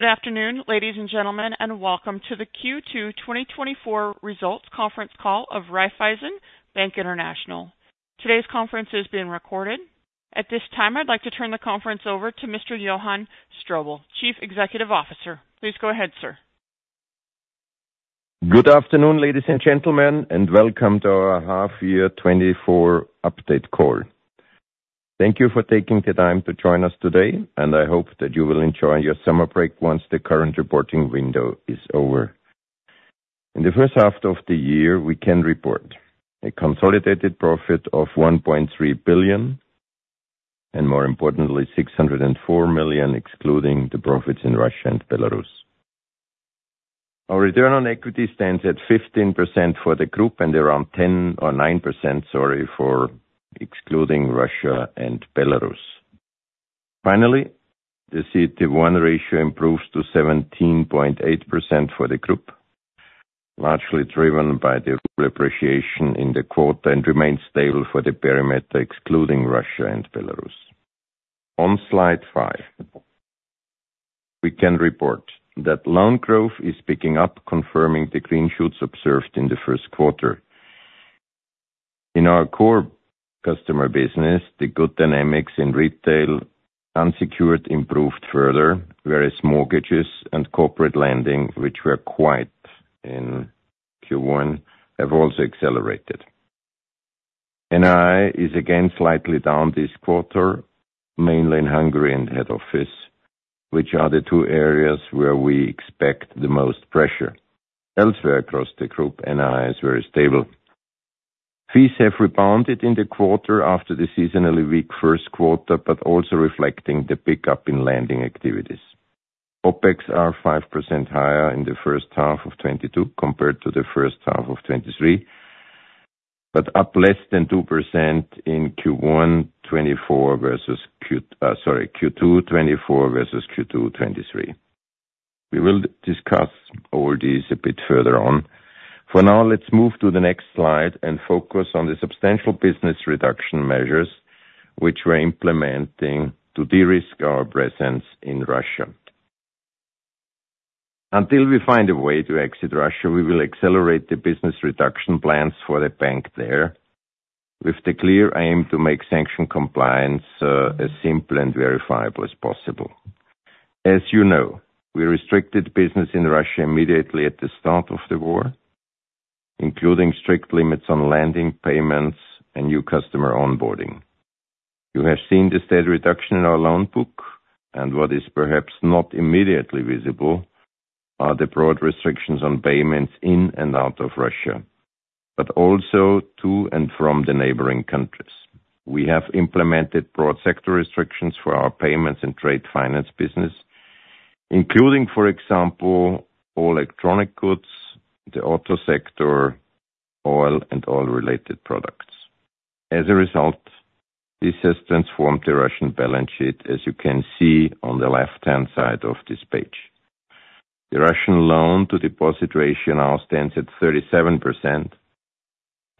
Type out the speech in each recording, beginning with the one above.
Good afternoon, ladies and gentlemen, and welcome to the Q2 2024 results conference call of Raiffeisen Bank International. Today's conference is being recorded. At this time, I'd like to turn the conference over to Mr. Johann Strobl, Chief Executive Officer. Please go ahead, sir. Good afternoon, ladies and gentlemen, and welcome to our half-year 2024 update call. Thank you for taking the time to join us today, and I hope that you will enjoy your summer break once the current reporting window is over. In the first half of the year, we can report a consolidated profit of 1.3 billion, and more importantly, 604 million, excluding the profits in Russia and Belarus. Our return on equity stands at 15% for the group and around 10% or 9%, sorry, for excluding Russia and Belarus. Finally, the CET1 ratio improves to 17.8% for the group, largely driven by the full appreciation in the quarter, and remains stable for the perimeter, excluding Russia and Belarus. On slide five, we can report that loan growth is picking up, confirming the green shoots observed in the Q1. In our core customer business, the good dynamics in retail unsecured improved further, whereas mortgages and corporate lending, which were quiet in Q1, have also accelerated. NII is again slightly down this quarter, mainly in Hungary and head office, which are the two areas where we expect the most pressure. Elsewhere across the group, NII is very stable. Fees have rebounded in the quarter after the seasonally weak Q1, but also reflecting the pickup in lending activities. OpEx are 5% higher in the first half of 2022 compared to the first half of 2023, but up less than 2% in Q2 2024 versus Q2 2023. We will discuss all these a bit further on. For now, let's move to the next slide and focus on the substantial business reduction measures which we're implementing to de-risk our presence in Russia. Until we find a way to exit Russia, we will accelerate the business reduction plans for the bank there, with the clear aim to make sanction compliance as simple and verifiable as possible. As you know, we restricted business in Russia immediately at the start of the war, including strict limits on lending, payments, and new customer onboarding. You have seen the steady reduction in our loan book, and what is perhaps not immediately visible are the broad restrictions on payments in and out of Russia, but also to and from the neighboring countries. We have implemented broad sector restrictions for our payments and trade finance business, including, for example, all electronic goods, the auto sector, oil and oil-related products. As a result, this has transformed the Russian balance sheet, as you can see on the left-hand side of this page. The Russian loan to deposit ratio now stands at 37%,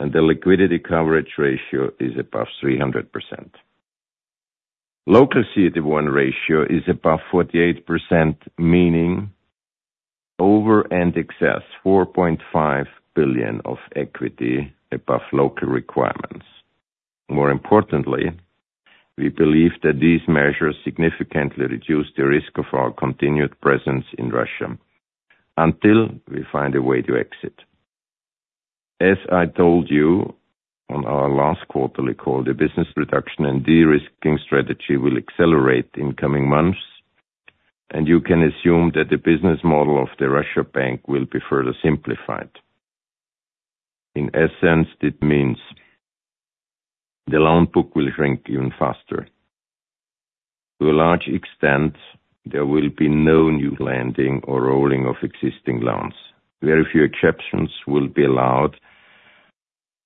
and the liquidity coverage ratio is above 300%. Local CET1 ratio is above 48%, meaning over and excess 4.5 billion of equity above local requirements. More importantly, we believe that these measures significantly reduce the risk of our continued presence in Russia until we find a way to exit. As I told you on our last quarterly call, the business reduction and de-risking strategy will accelerate in coming months, and you can assume that the business model of the Russia bank will be further simplified. In essence, this means the loan book will shrink even faster. To a large extent, there will be no new lending or rolling of existing loans. Very few exceptions will be allowed,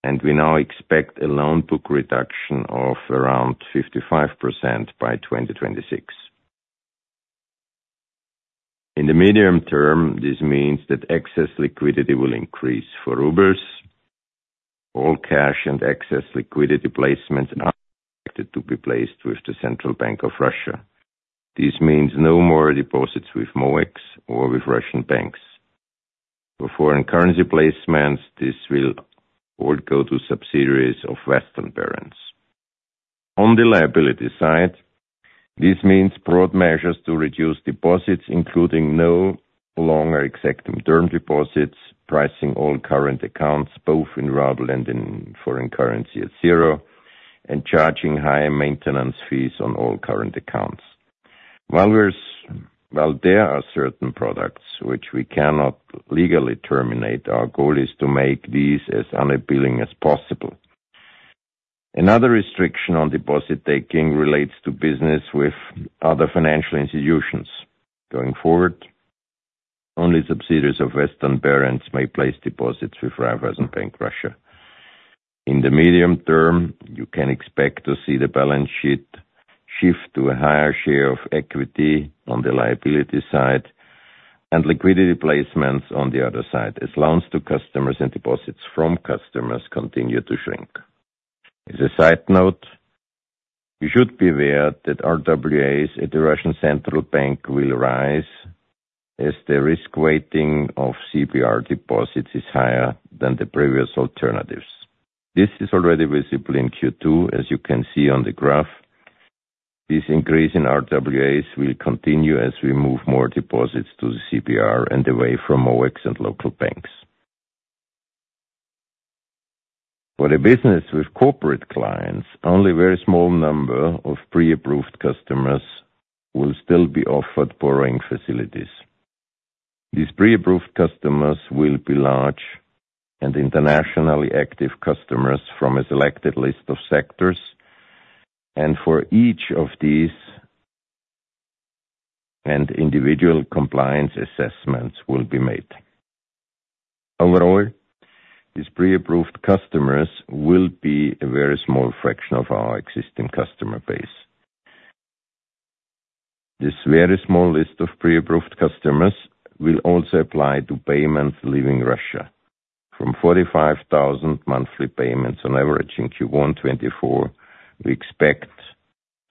and we now expect a loan book reduction of around 55% by 2026. In the medium term, this means that excess liquidity will increase for rubles. All cash and excess liquidity placements are expected to be placed with the Central Bank of Russia. This means no more deposits with MOEX or with Russian banks. For foreign currency placements, this will all go to subsidiaries of Western parents. On the liability side, this means broad measures to reduce deposits, including no longer accepting term deposits, pricing all current accounts, both in ruble and in foreign currency, at zero, and charging high maintenance fees on all current accounts. While there are certain products which we cannot legally terminate, our goal is to make these as unappealing as possible. Another restriction on deposit taking relates to business with other financial institutions. Going forward, only subsidiaries of Western parents may place deposits with Raiffeisen Bank, Russia. In the medium term, you can expect to see the balance sheet shift to a higher share of equity on the liability side and liquidity placements on the other side, as loans to customers and deposits from customers continue to shrink. As a side note... You should be aware that RWAs at the Russian Central Bank will rise as the risk weighting of CBR deposits is higher than the previous alternatives. This is already visible in Q2, as you can see on the graph. This increase in RWAs will continue as we move more deposits to the CBR and away from MOEX and local banks. For the business with corporate clients, only a very small number of pre-approved customers will still be offered borrowing facilities. These pre-approved customers will be large and internationally active customers from a selected list of sectors, and for each of these, an individual compliance assessment will be made. Overall, these pre-approved customers will be a very small fraction of our existing customer base. This very small list of pre-approved customers will also apply to payments leaving Russia. From 45,000 monthly payments on average in Q1 2024, we expect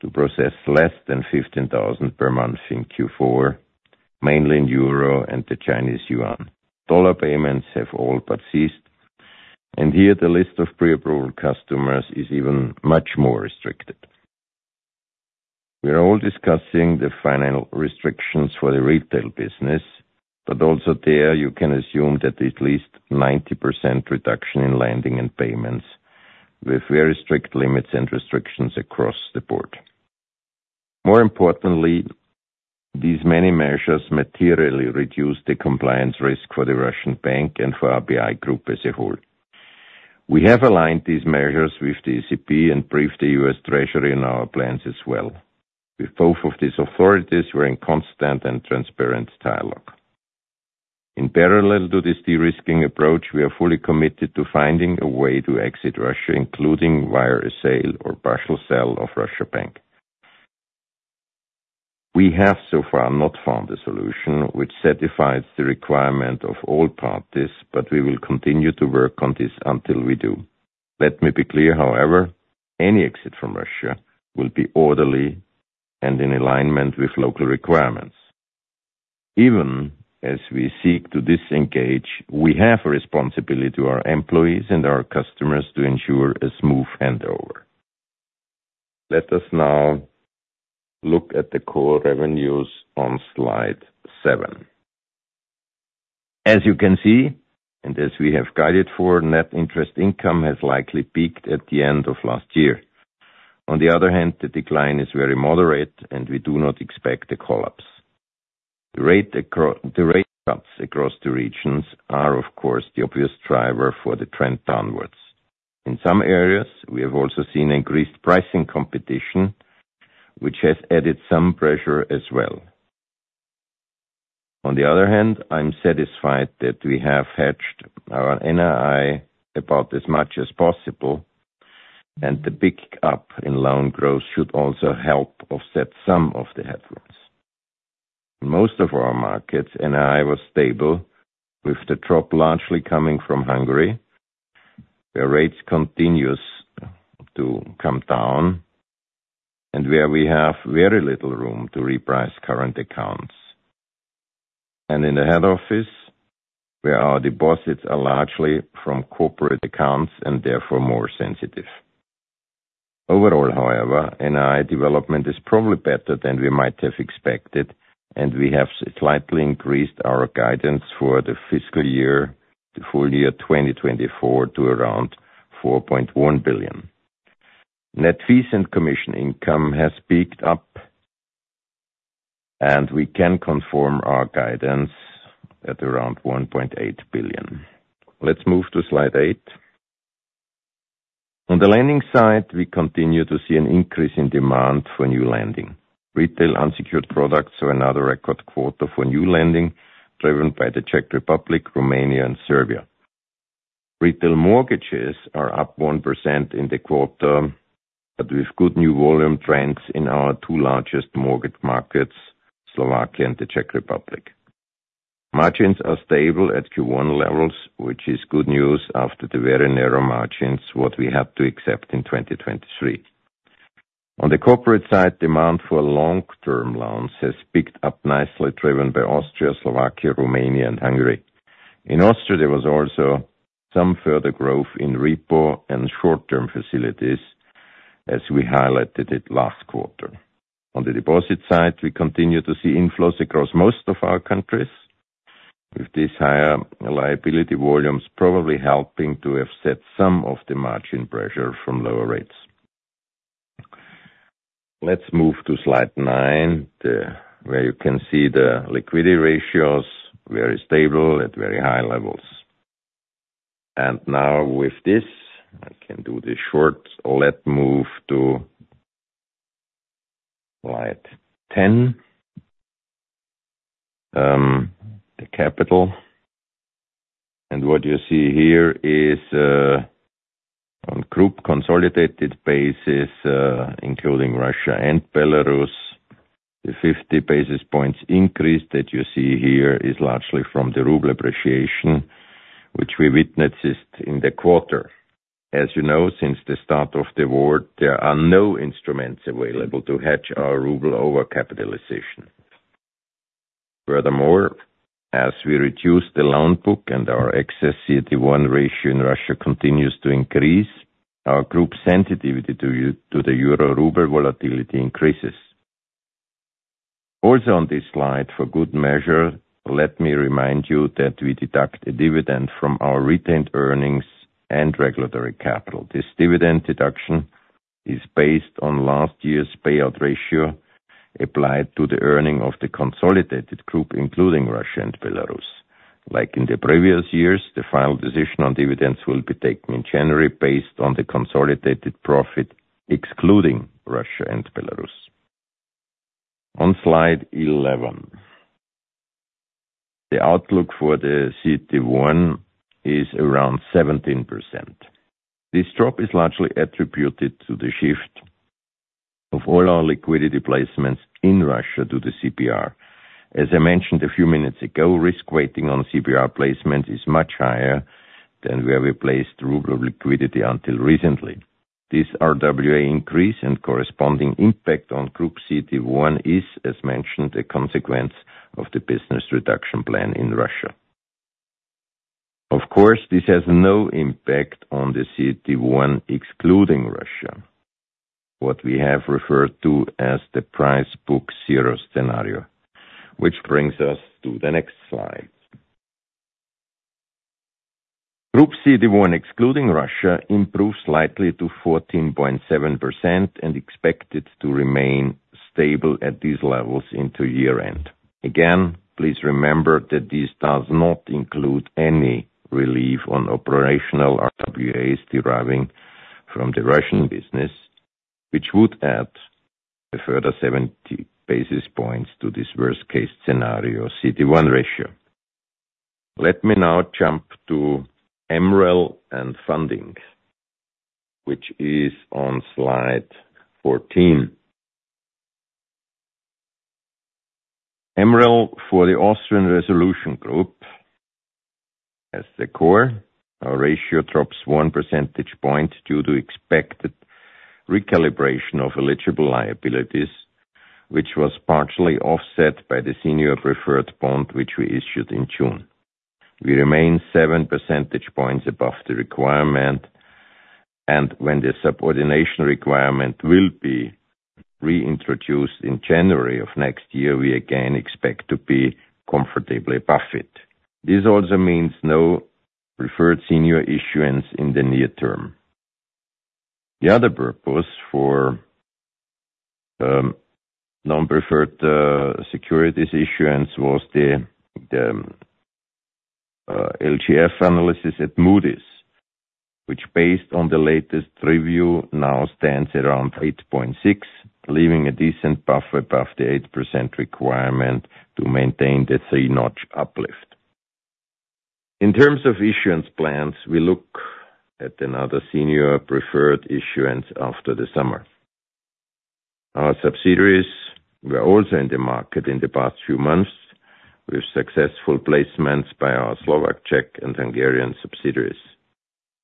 to process less than 15,000 per month in Q4, mainly in EUR and CNY. Dollar payments have all but ceased, and here the list of pre-approval customers is even much more restricted. We are all discussing the final restrictions for the retail business, but also there, you can assume that at least 90% reduction in lending and payments, with very strict limits and restrictions across the board. More importantly, these many measures materially reduce the compliance risk for the Russian bank and for RBI Group as a whole. We have aligned these measures with the ECB and briefed the U.S. Treasury in our plans as well. With both of these authorities, we're in constant and transparent dialogue. In parallel to this de-risking approach, we are fully committed to finding a way to exit Russia, including via a sale or partial sale of Russia Bank. We have so far not found a solution which satisfies the requirement of all parties, but we will continue to work on this until we do. Let me be clear, however, any exit from Russia will be orderly and in alignment with local requirements. Even as we seek to disengage, we have a responsibility to our employees and our customers to ensure a smooth handover. Let us now look at the core revenues on slide seven. As you can see, and as we have guided for, net interest income has likely peaked at the end of last year. On the other hand, the decline is very moderate, and we do not expect a collapse. The rate cuts across the regions are, of course, the obvious driver for the trend downwards. In some areas, we have also seen increased pricing competition, which has added some pressure as well. On the other hand, I'm satisfied that we have hedged our NII about as much as possible, and the pick-up in loan growth should also help offset some of the headwinds. In most of our markets, NII was stable, with the drop largely coming from Hungary, where rates continue to come down, and where we have very little room to reprice current accounts. In the head office, where our deposits are largely from corporate accounts and therefore more sensitive. Overall, however, NII development is probably better than we might have expected, and we have slightly increased our guidance for the fiscal year, the full year 2024, to around 4.1 billion. Net fees and commission income has picked up, and we can confirm our guidance at around 1.8 billion. Let's move to slide eight. On the lending side, we continue to see an increase in demand for new lending. Retail unsecured products are another record quarter for new lending, driven by the Czech Republic, Romania, and Serbia. Retail mortgages are up 1% in the quarter, but with good new volume trends in our two largest mortgage markets, Slovakia and the Czech Republic. Margins are stable at Q1 levels, which is good news after the very narrow margins what we had to accept in 2023. On the corporate side, demand for long-term loans has picked up nicely, driven by Austria, Slovakia, Romania, and Hungary. In Austria, there was also some further growth in repo and short-term facilities, as we highlighted it last quarter. On the deposit side, we continue to see inflows across most of our countries, with these higher liability volumes probably helping to offset some of the margin pressure from lower rates. Let's move to slide nine, where you can see the liquidity ratios, very stable at very high levels. And now with this, I can do this short. Let's move to slide 10, the capital. And what you see here is, on group consolidated basis, including Russia and Belarus. The 50 basis points increase that you see here is largely from the ruble appreciation, which we witnessed it in the quarter. As you know, since the start of the war, there are no instruments available to hedge our ruble overcapitalization. Furthermore, as we reduce the loan book and our excess CET1 ratio in Russia continues to increase, our group sensitivity to to the euro ruble volatility increases. Also, on this slide, for good measure, let me remind you that we deduct a dividend from our retained earnings and regulatory capital. This dividend deduction is based on last year's payout ratio applied to the earnings of the consolidated group, including Russia and Belarus. Like in the previous years, the final decision on dividends will be taken in January, based on the consolidated profit, excluding Russia and Belarus. On Slide 11, the outlook for the CET1 is around 17%. This drop is largely attributed to the shift of all our liquidity placements in Russia to the CBR. As I mentioned a few minutes ago, risk weighting on CBR placement is much higher than where we placed ruble liquidity until recently. This RWA increase and corresponding impact on Group CET1 is, as mentioned, a consequence of the business reduction plan in Russia. Of course, this has no impact on the CET1 excluding Russia, what we have referred to as the price book zero scenario, which brings us to the next slide. Group CET1 excluding Russia improved slightly to 14.7% and expected to remain stable at these levels into year-end. Again, please remember that this does not include any relief on operational RWAs deriving from the Russian business, which would add a further 70 basis points to this worst-case scenario CET1 ratio. Let me now jump to MREL and funding, which is on Slide 14. MREL for the Austrian Resolution Group. As the core, our ratio drops 1 percentage point due to expected recalibration of eligible liabilities, which was partially offset by the senior preferred bond, which we issued in June. We remain 7 percentage points above the requirement, and when the subordination requirement will be reintroduced in January of next year, we again expect to be comfortably above it. This also means no preferred senior issuance in the near term. The other purpose for non-preferred securities issuance was the LGF analysis at Moody's, which, based on the latest review, now stands around 8.6, leaving a decent buffer above the 8% requirement to maintain the 3-notch uplift. In terms of issuance plans, we look at another senior preferred issuance after the summer. Our subsidiaries were also in the market in the past few months, with successful placements by our Slovak, Czech, and Hungarian subsidiaries.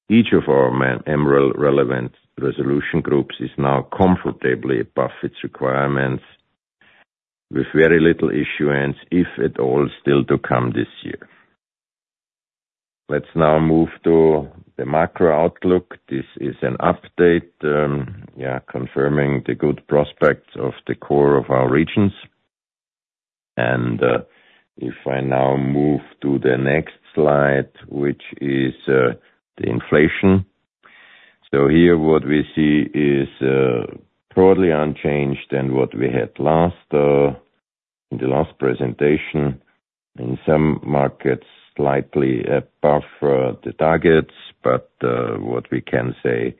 Each of our MREL relevant resolution groups is now comfortably above its requirements, with very little issuance, if at all, still to come this year. Let's now move to the macro outlook. This is an update, confirming the good prospects of the core of our regions. If I now move to the next slide, which is the inflation. So here what we see is broadly unchanged than what we had last in the last presentation. In some markets, slightly above the targets, but what we can say,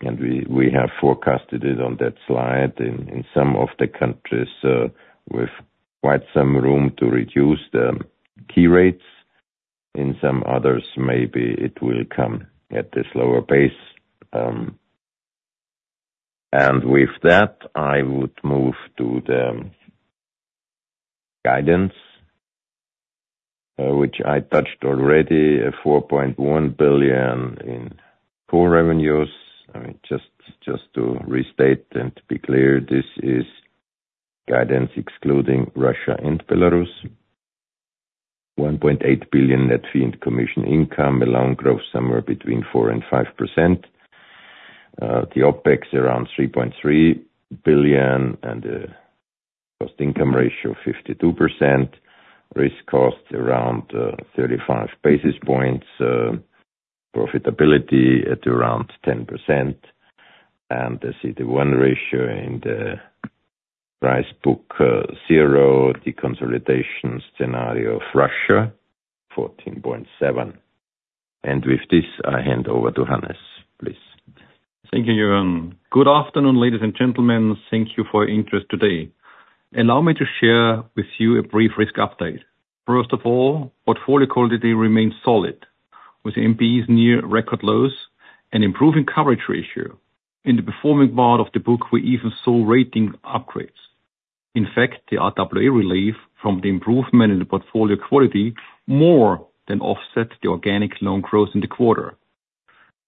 and we, we have forecasted it on that slide, in, in some of the countries, with quite some room to reduce the key rates. In some others, maybe it will come at a slower pace. With that, I would move to the guidance, which I touched already, 4.1 billion in core revenues. I mean, just, just to restate and to be clear, this is guidance excluding Russia and Belarus. 1.8 billion net fee and commission income, a loan growth somewhere between 4% and 5%. The OpEx around 3.3 billion, and the cost-to-income ratio, 52%. Risk cost around 35 basis points, profitability at around 10%, and the CET1 ratio in the price-to-book zero. The consolidation scenario of Russia, 14.7. With this, I hand over to Hannes. Please. Thank you, Johann. Good afternoon, ladies and gentlemen. Thank you for your interest today. Allow me to share with you a brief risk update. First of all, portfolio quality remains solid.... with NPLs near record lows and improving coverage ratio. In the performing part of the book, we even saw rating upgrades. In fact, the RWA relief from the improvement in the portfolio quality more than offset the organic loan growth in the quarter.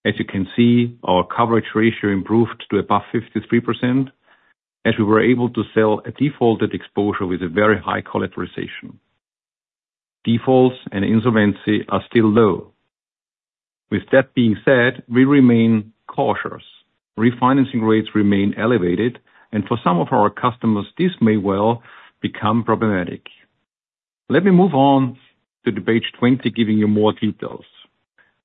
As you can see, our coverage ratio improved to above 53%, as we were able to sell a defaulted exposure with a very high collateralization. Defaults and insolvency are still low. With that being said, we remain cautious. Refinancing rates remain elevated, and for some of our customers, this may well become problematic. Let me move on to page 20, giving you more details.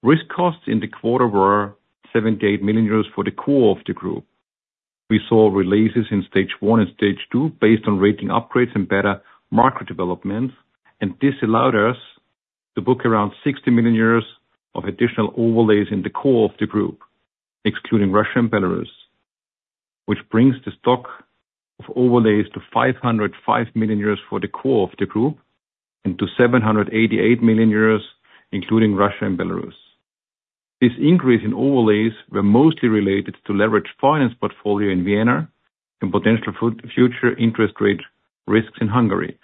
Risk costs in the quarter were 78 million euros for the core of the group. We saw releases in Stage 1 and Stage 2 based on rating upgrades and better market developments, and this allowed us to book around 60 million euros of additional overlays in the core of the group, excluding Russia and Belarus, which brings the stock of overlays to 505 million euros for the core of the group, and to 788 million euros, including Russia and Belarus. This increase in overlays were mostly related to leveraged finance portfolio in Vienna and potential future interest rate risks in Hungary.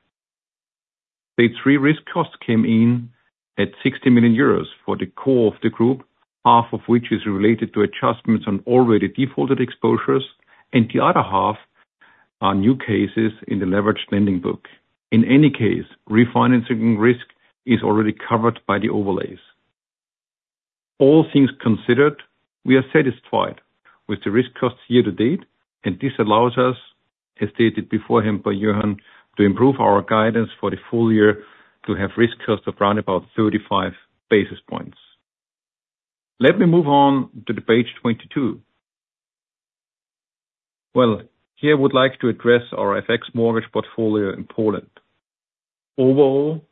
Page three, risk costs came in at 60 million euros for the core of the group, half of which is related to adjustments on already defaulted exposures, and the other half are new cases in the leveraged lending book. In any case, refinancing risk is already covered by the overlays. All things considered, we are satisfied with the risk costs year to date, and this allows us, as stated beforehand by Johann, to improve our guidance for the full year to have risk costs of around about 35 basis points. Let me move on to the page 22. Well, here I would like to address our FX mortgage portfolio in Poland. Overall,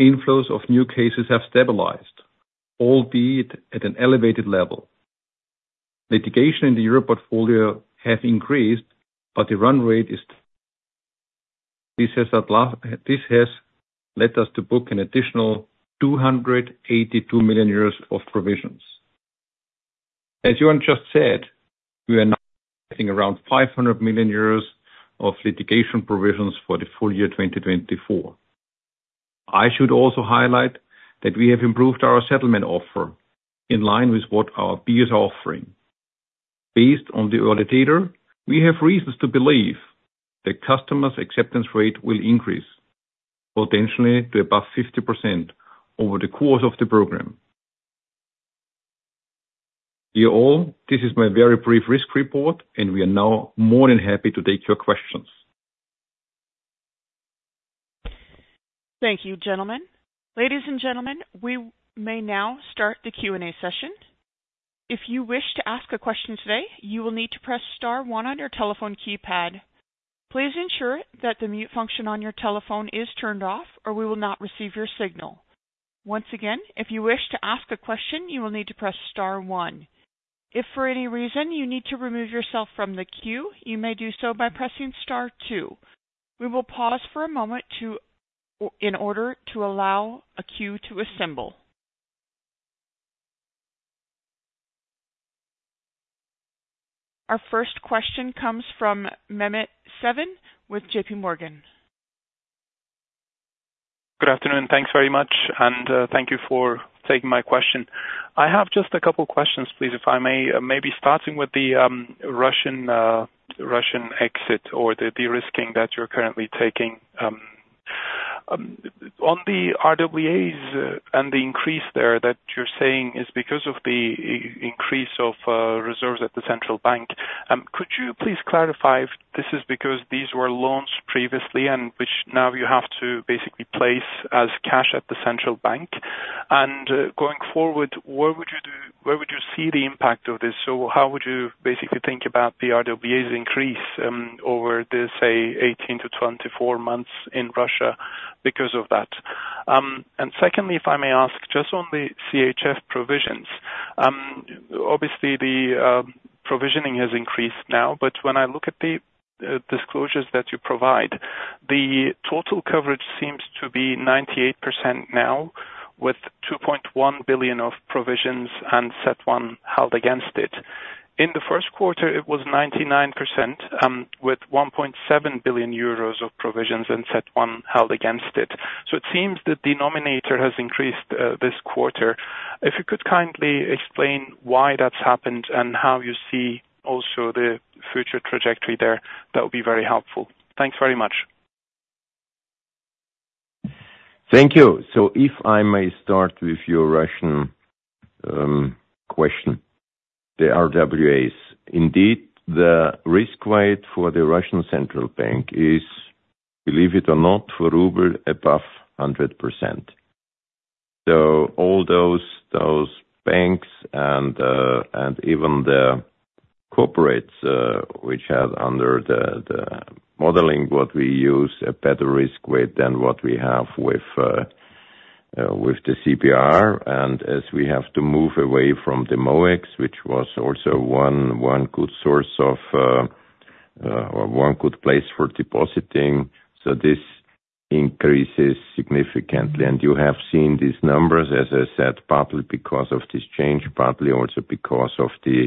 inflows of new cases have stabilized, albeit at an elevated level. Litigation in the Euro portfolio has increased, but the run rate is, this has led us to book an additional 282 million euros of provisions. As Johann just said, we are now getting around 500 million euros of litigation provisions for the full year 2024. I should also highlight that we have improved our settlement offer in line with what our peers are offering. Based on the early data, we have reasons to believe the customers' acceptance rate will increase, potentially to above 50% over the course of the program. Dear all, this is my very brief risk report, and we are now more than happy to take your questions. Thank you, gentlemen. Ladies and gentlemen, we may now start the Q&A session. If you wish to ask a question today, you will need to press star one on your telephone keypad. Please ensure that the mute function on your telephone is turned off, or we will not receive your signal. Once again, if you wish to ask a question, you will need to press star one. If for any reason you need to remove yourself from the queue, you may do so by pressing star two. We will pause for a moment in order to allow a queue to assemble. Our first question comes from Mehmet Sevim with JPMorgan. Good afternoon. Thanks very much, and thank you for taking my question. I have just a couple of questions, please, if I may, maybe starting with the Russian exit or the de-risking that you're currently taking. On the RWAs and the increase there that you're saying is because of the increase of reserves at the central bank, could you please clarify if this is because these were loans previously, and which now you have to basically place as cash at the central bank? And going forward, where would you see the impact of this? So how would you basically think about the RWAs increase over this, say, 18-24 months in Russia because of that? And secondly, if I may ask, just on the CHF provisions, obviously the provisioning has increased now, but when I look at the disclosures that you provide, the total coverage seems to be 98% now, with 2.1 billion of provisions and CET1 held against it. In the Q1, it was 99%, with 1.7 billion euros of provisions and CET1 held against it. So it seems the denominator has increased this quarter. If you could kindly explain why that's happened and how you see also the future trajectory there, that would be very helpful. Thanks very much. Thank you. So if I may start with your Russian question, the RWAs. Indeed, the risk weight for the Russian Central Bank is, believe it or not, for ruble above 100%. So all those banks and even the corporates, which have under the modeling what we use, a better risk weight than what we have with the CBR. And as we have to move away from the MOEX, which was also one good source of or one good place for depositing, so this-... increases significantly, and you have seen these numbers, as I said, partly because of this change, partly also because of the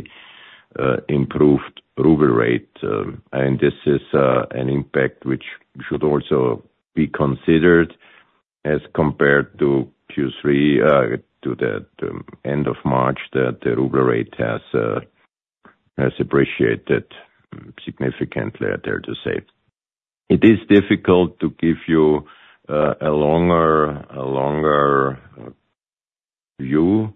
improved ruble rate. And this is an impact which should also be considered as compared to Q3 to the end of March, that the ruble rate has appreciated significantly, I dare to say. It is difficult to give you a longer view.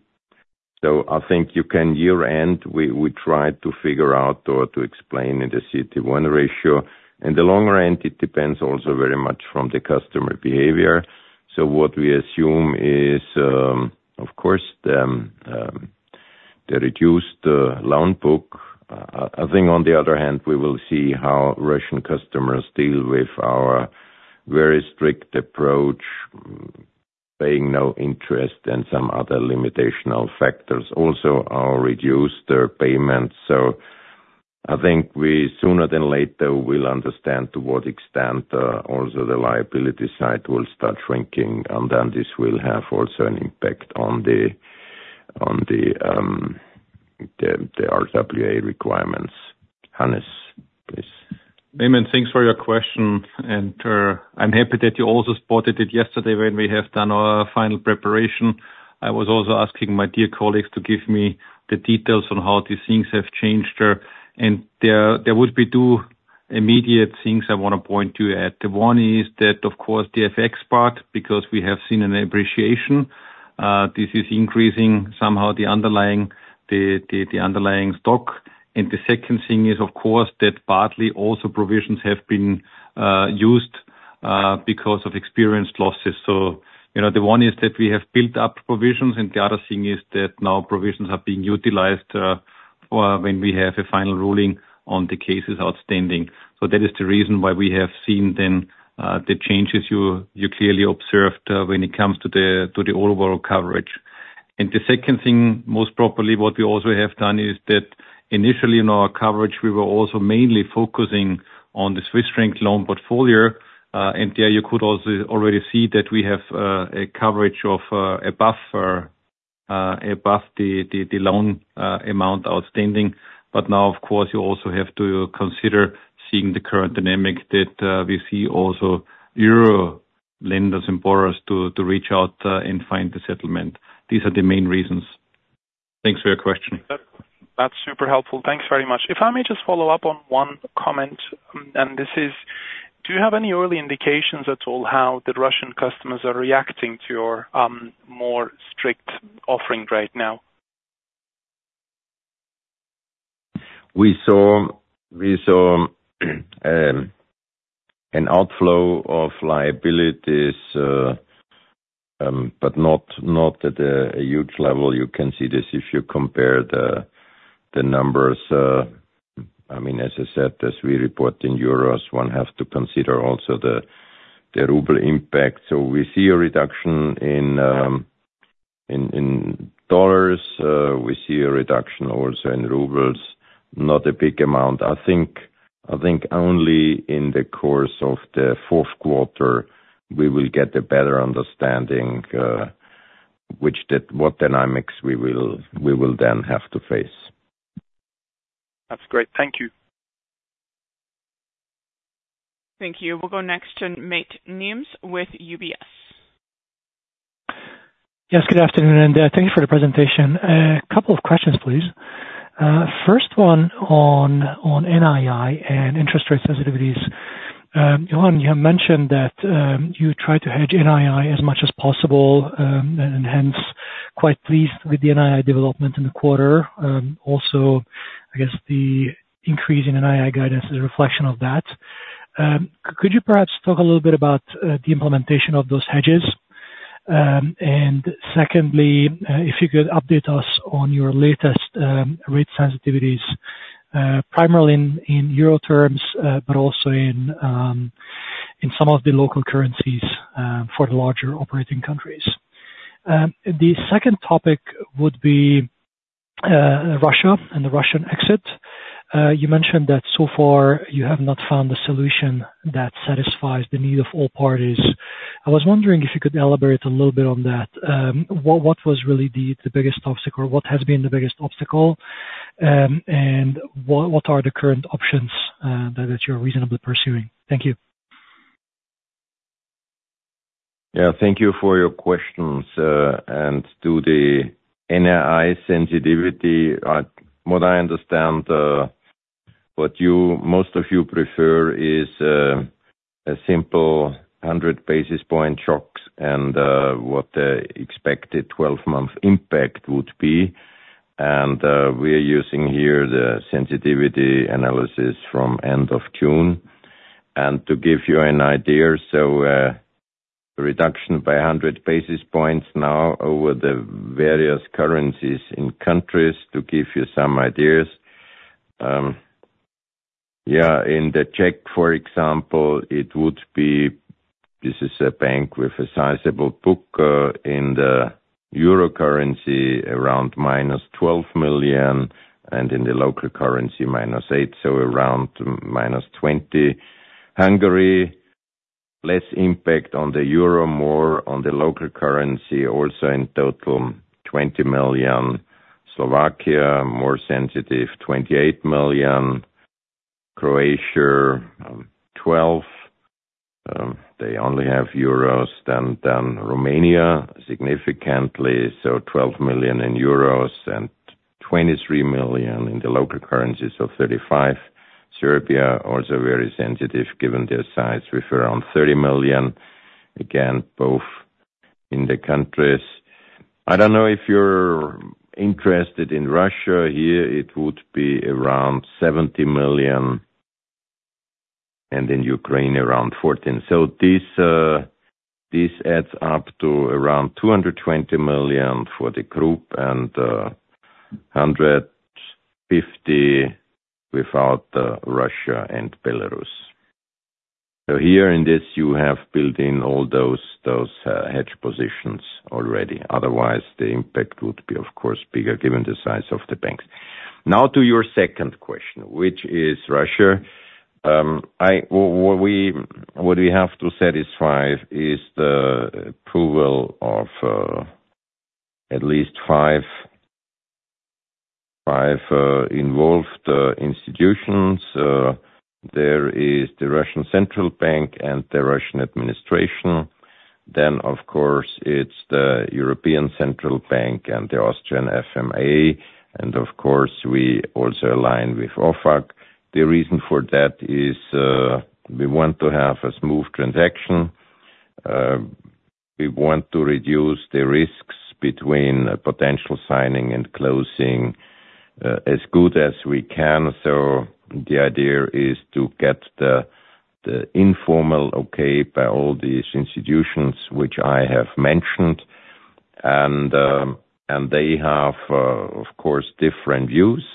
So I think you can year-end, we try to figure out or to explain in the CET1 ratio. In the long run, it depends also very much from the customer behavior. So what we assume is, of course, the reduced loan book. I think on the other hand, we will see how Russian customers deal with our very strict approach, paying no interest and some other limitational factors. Also, our reduced payments. So I think we, sooner than later, will understand to what extent also the liability side will start shrinking, and then this will have also an impact on the RWA requirements. Hannes, please. Hey, man, thanks for your question, and I'm happy that you also spotted it yesterday when we have done our final preparation. I was also asking my dear colleagues to give me the details on how these things have changed, and there would be two immediate things I wanna point to you at. The one is that, of course, the FX part, because we have seen an appreciation. This is increasing somehow the underlying stock. And the second thing is, of course, that partly also provisions have been used because of experienced losses. So, you know, the one is that we have built up provisions, and the other thing is that now provisions are being utilized for when we have a final ruling on the cases outstanding. So that is the reason why we have seen then the changes you clearly observed when it comes to the overall coverage. And the second thing, most properly, what we also have done is that initially in our coverage, we were also mainly focusing on the Swiss franc loan portfolio, and there you could also already see that we have a coverage of above or above the loan amount outstanding. But now, of course, you also have to consider seeing the current dynamic that we see also euro lenders and borrowers to reach out and find a settlement. These are the main reasons. Thanks for your question. That's super helpful. Thanks very much. If I may just follow up on one comment, and this is: Do you have any early indications at all how the Russian customers are reacting to your more strict offering right now? We saw an outflow of liabilities, but not at a huge level. You can see this if you compare the numbers. I mean, as I said, as we report in euros, one have to consider also the ruble impact. So we see a reduction in dollars, we see a reduction also in rubles, not a big amount. I think only in the course of the Q4, we will get a better understanding, what dynamics we will then have to face. That's great. Thank you. Thank you. We'll go next to Máté Nemes with UBS. Yes, good afternoon, and, thank you for the presentation. Couple of questions, please. First one on, on NII and interest rate sensitivities. Johann, you have mentioned that, you tried to hedge NII as much as possible, and hence, quite pleased with the NII development in the quarter. Also, I guess the increase in NII guidance is a reflection of that. Could you perhaps talk a little bit about, the implementation of those hedges? And secondly, if you could update us on your latest, rate sensitivities, primarily in, in euro terms, but also in, in some of the local currencies, for the larger operating countries. The second topic would be, Russia and the Russian exit. You mentioned that so far you have not found a solution that satisfies the need of all parties. I was wondering if you could elaborate a little bit on that. What was really the biggest obstacle, or what has been the biggest obstacle, and what are the current options that you're reasonably pursuing? Thank you. Yeah, thank you for your questions. To the NII sensitivity, what I understand, what you most of you prefer is a simple 100 basis point shocks and what the expected 12-month impact would be. We are using here the sensitivity analysis from end of June. To give you an idea, so reduction by 100 basis points now over the various currencies in countries, to give you some ideas. Yeah, in the Czech, for example, it would be, this is a bank with a sizable book in the euro currency around minus 12 million, and in the local currency, minus 8 million, so around minus 20 million. Hungary, less impact on the euro, more on the local currency, also in total, 20 million. Slovakia, more sensitive, 28 million. Croatia, 12 million. They only have euros. Then Romania, significantly, so 12 million euros and 23 million in the local currency, so 35. Serbia, also very sensitive, given their size, with around 30 million. Again, both in the countries. I don't know if you're interested in Russia. Here, it would be around 70 million, and in Ukraine, around 14 million. So this adds up to around 220 million for the group, and 150 million without Russia and Belarus. So here in this, you have built in all those hedge positions already. Otherwise, the impact would be, of course, bigger given the size of the banks. Now to your second question, which is Russia. Well, what we have to satisfy is the approval of at least five involved institutions. There is the Russian Central Bank and the Russian administration. Then, of course, it's the European Central Bank and the Austrian FMA, and of course, we also align with OFAC. The reason for that is, we want to have a smooth transaction. We want to reduce the risks between potential signing and closing, as good as we can. So the idea is to get the informal okay by all these institutions which I have mentioned, and they have, of course, different views.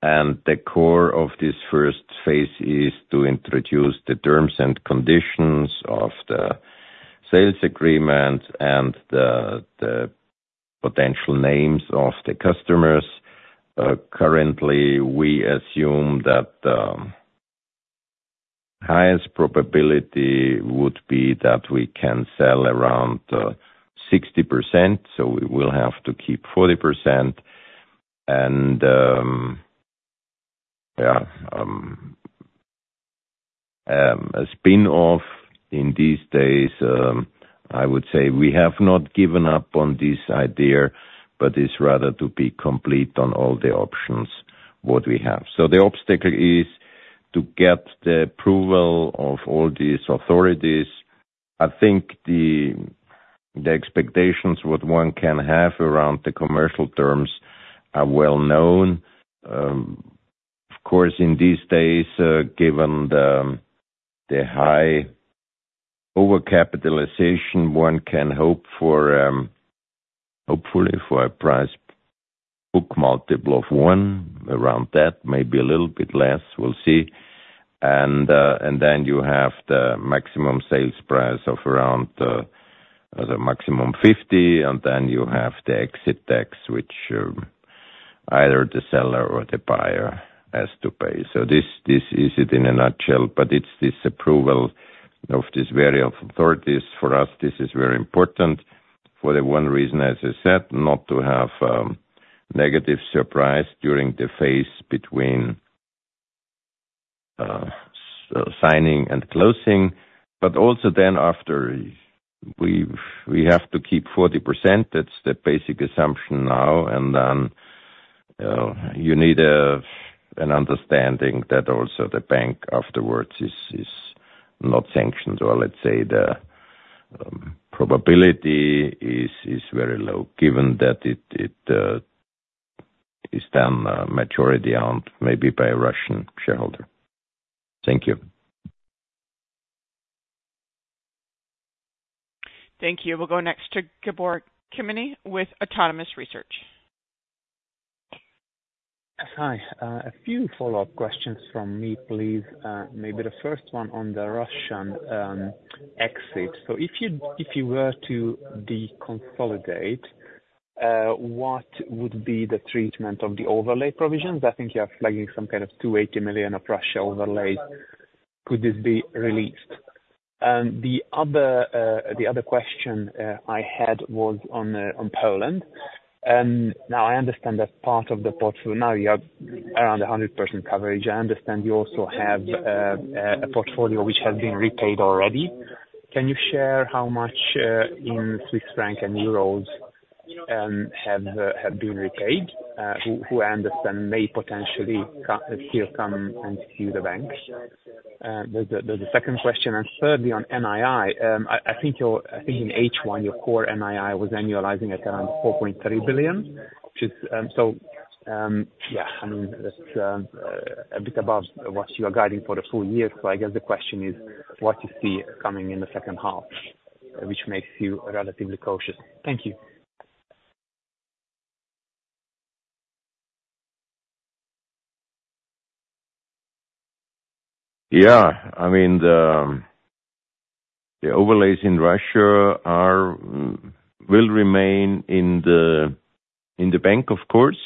And the core of this first phase is to introduce the terms and conditions of the sales agreement and the potential names of the customers. Currently, we assume that highest probability would be that we can sell around 60%, so we will have to keep 40%. Yeah, a spin-off in these days, I would say we have not given up on this idea, but it's rather to be complete on all the options what we have. So the obstacle is to get the approval of all these authorities. I think the expectations what one can have around the commercial terms are well known. Of course, in these days, given the high overcapitalization, one can hope for, hopefully, a price book multiple of 1, around that, maybe a little bit less, we'll see. And then you have the maximum sales price of around the maximum 50, and then you have the exit tax, which either the seller or the buyer has to pay. So this is it in a nutshell, but it's this approval of this array of authorities. For us, this is very important. For the one reason, as I said, not to have negative surprise during the phase between signing and closing, but also then after we have to keep 40%, that's the basic assumption now, and then you need an understanding that also the bank afterwards is not sanctioned, or let's say the probability is very low, given that it is done majority owned, maybe by a Russian shareholder. Thank you. Thank you. We'll go next to Gábor Kemeny with Autonomous Research. Hi. A few follow-up questions from me, please. Maybe the first one on the Russian exit. So if you were to deconsolidate, what would be the treatment of the overlay provisions? I think you are flagging some kind of 280 million of Russia overlay. Could this be released? And the other question I had was on Poland. Now, I understand that now you have around 100% coverage. I understand you also have a portfolio which has been repaid already. Can you share how much in Swiss franc and euros have been repaid, who I understand may potentially could still come and sue the bank? There's a second question, and thirdly, on NII. I think in H1, your core NII was annualizing at around 4.3 billion, which is, I mean, that's a bit above what you are guiding for the full year. So I guess the question is, what you see coming in the second half, which makes you relatively cautious? Thank you. ... Yeah, I mean, the overlays in Russia are will remain in the bank, of course,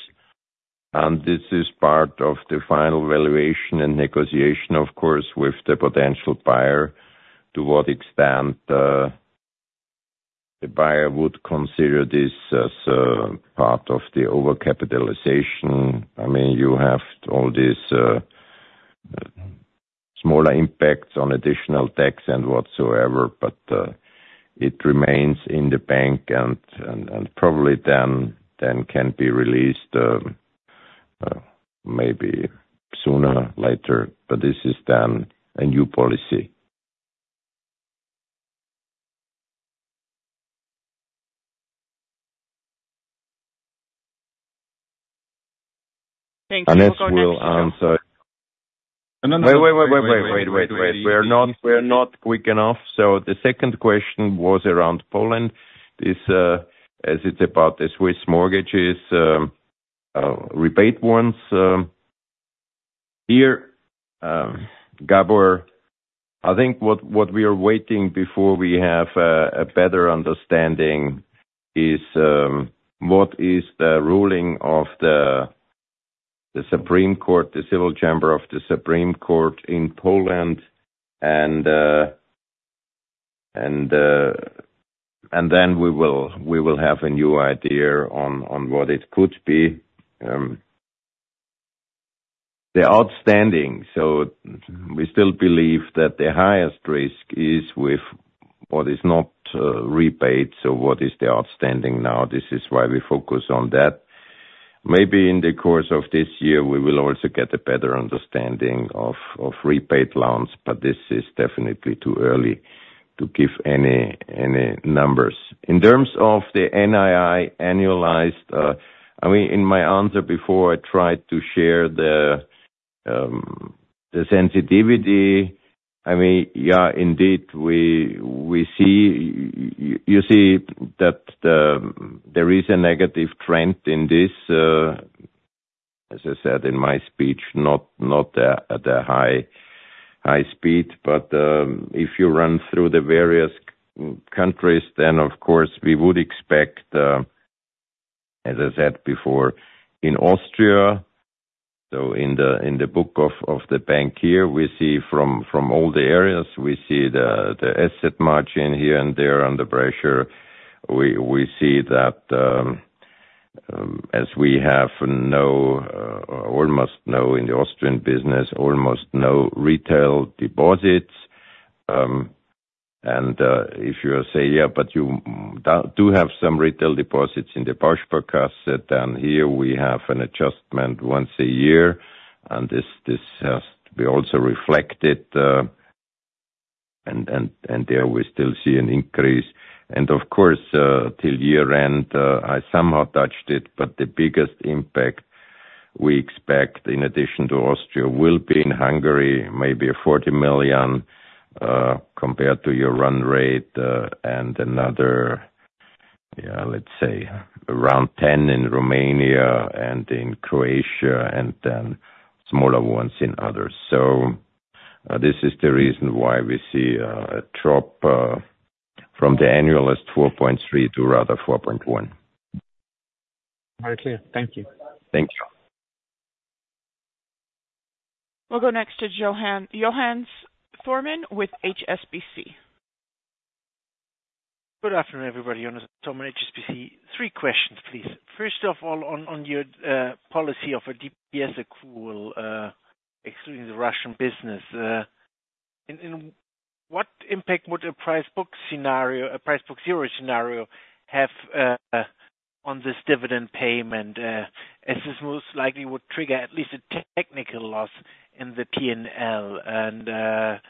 and this is part of the final valuation and negotiation, of course, with the potential buyer, to what extent the buyer would consider this as part of the overcapitalization. I mean, you have all these smaller impacts on additional tax and whatsoever, but it remains in the bank and probably then can be released, maybe sooner or later, but this is then a new policy. Thank you. Let's answer. Wait, wait, wait, wait, wait, wait, wait, wait. We are not quick enough. So the second question was around Poland. This, as it's about the Swiss mortgages, repaid ones. Here, Gábor, I think what we are waiting before we have a better understanding is what is the ruling of the Supreme Court, the Civil Chamber of the Supreme Court in Poland, and then we will have a new idea on what it could be. The outstanding, so we still believe that the highest risk is with what is not repaid, so what is the outstanding now? This is why we focus on that. Maybe in the course of this year, we will also get a better understanding of repaid loans, but this is definitely too early to give any numbers. In terms of the NII annualized, I mean, in my answer before, I tried to share the sensitivity. I mean, yeah, indeed, we see. You see that there is a negative trend in this, as I said in my speech, not at a high speed, but if you run through the various countries, then, of course, we would expect, as I said before, in Austria, so in the book of the bank here, we see from all the areas, we see the asset margin here and there under pressure. We see that, as we have almost no in the Austrian business, almost no retail deposits. And, if you say, "Yeah, but you do have some retail deposits in the Bausparkasse," then here we have an adjustment once a year, and this has to be also reflected, and there we still see an increase. And of course, till year-end, I somehow touched it, but the biggest impact we expect, in addition to Austria, will be in Hungary, maybe 40 million, compared to your run rate, and another, yeah, let's say around 10 million in Romania and in Croatia, and then smaller ones in others. So, this is the reason why we see a drop, from the annual as 4.3 to rather 4.1. Very clear. Thank you. Thank you. We'll go next to Johannes Thormann with HSBC. Good afternoon, everybody. Johannes Thormann, HSBC. Three questions, please. First of all, on your policy of a DPS accrual excluding the Russian business, and what impact would a price book scenario, a price book zero scenario have on this dividend payment? As this most likely would trigger at least a technical loss in the PNL.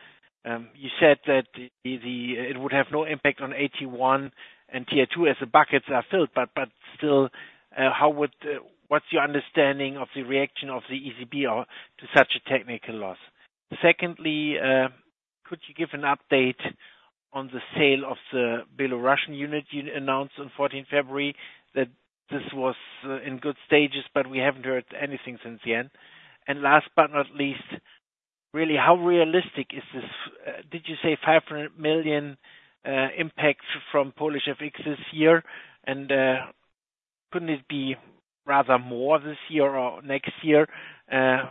And you said that it would have no impact on AT1 and Tier 2, as the buckets are filled, but still, how would... What's your understanding of the reaction of the ECB to such a technical loss? Secondly, could you give an update on the sale of the Belarusian unit you announced on fourteenth February, that this was in good stages, but we haven't heard anything since the end. And last but not least, really, how realistic is this? Did you say 500 million impact from Polish FX this year? And couldn't it be rather more this year or next year? And